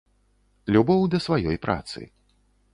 Любоў да сваёй працы.